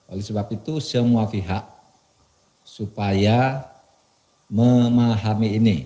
oleh sebab itu semua pihak supaya memahami ini